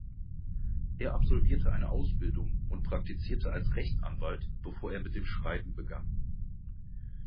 Er absolvierte eine Ausbildung und praktizierte als Rechtsanwalt, bevor er mit dem Schreiben begann.